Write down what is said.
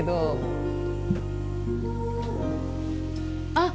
あっ！